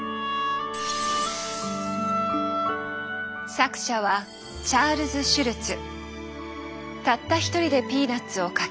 作者はたった一人で「ピーナッツ」を描き続け